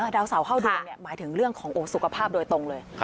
ดาวเสาเข้าดวงหมายถึงเรื่องของสุขภาพโดยตรงเลย